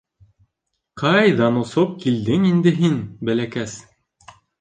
— Ҡайҙан осоп килдең инде һин, бәләкәс?